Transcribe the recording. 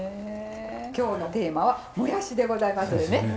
今日のテーマは「もやし」でございますのでね。